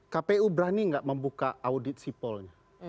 kpu berani nggak membuka audit sipolnya